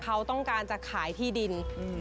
เขาต้องการจะขายที่ดิน